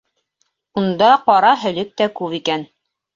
Унда ҡара һөлөк тә күп икән.